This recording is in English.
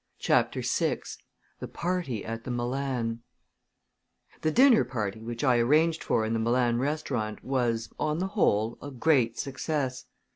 CHAPTER VI THE PARTY AT THE MILAN The dinner party, which I arranged for in the Milan restaurant, was, on the whole, a great success.